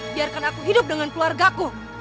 biarkan aku hidup dengan keluargaku